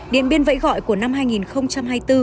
điện biên vẫy gọi của năm hai nghìn hai mươi bốn